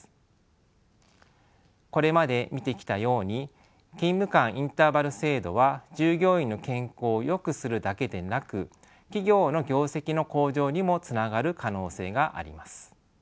これまで見てきたように勤務間インターバル制度は従業員の健康をよくするだけでなく企業の業績の向上にもつながる可能性があります。